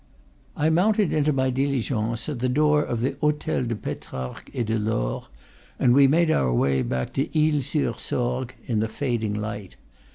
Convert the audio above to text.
I mounted into my diligence at the door of the Hotel de Petrarque et de Laure, and we made our way back to Isle sur Sorgues in the fading light.